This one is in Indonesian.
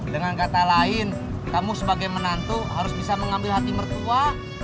dengan kata lain kamu sebagai menantu harus bisa mengambil hati mertua